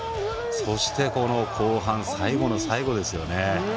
そして、後半最後の最後ですよね。